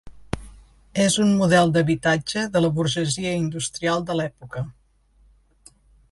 És un model d'habitatge de la burgesia industrial de l'època.